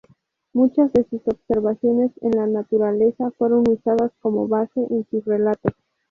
Muchas de sus observaciones en la naturaleza fueron usadas como base en sus relatos.